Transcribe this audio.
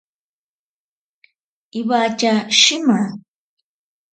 Iwatya shima.